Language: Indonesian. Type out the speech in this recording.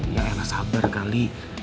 yah ya enggak sabar kali